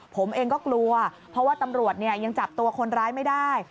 ผมเองก็กลัวเพราะว่าตำรวจยังจับตัวคนร้ายไม่ได้